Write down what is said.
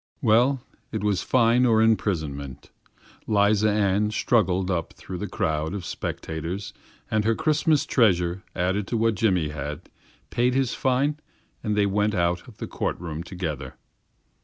Well, it was fine or imprisonment. 'Liza Ann struggled up through the crowd of spectators and her Christmas treasure added to what Jimmy had, paid his fine and they went out of the court room together.